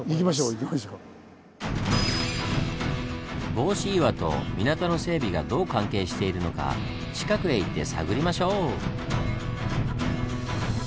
帽子岩と港の整備がどう関係しているのか近くへ行って探りましょう！